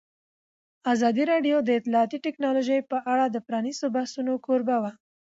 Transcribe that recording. ازادي راډیو د اطلاعاتی تکنالوژي په اړه د پرانیستو بحثونو کوربه وه.